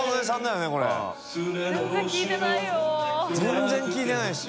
全然聞いてないよ。